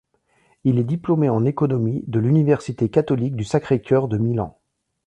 Il est diplômé en économie de l'université catholique du Sacré-Cœur de Milan.